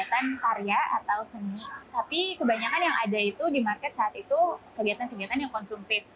kegiatan karya atau seni tapi kebanyakan yang ada itu di market saat itu kegiatan kegiatan yang konsumtif